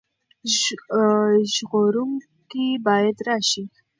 ژغورونکی باید راشي.